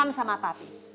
mami sudah paksa sama papi